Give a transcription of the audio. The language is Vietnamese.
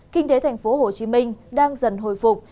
kinh tế tp hcm đang dần hồi phục